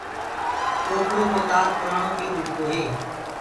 ڪوپرو ڪو تآر پُرآڻو بي ٻِڪدو هي۔